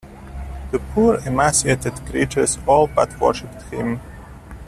The poor emaciated creatures all but worshipped him.